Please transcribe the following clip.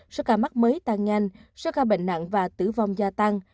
số ca mắc mới tăng nhanh số ca bệnh nặng và tử vong gia tăng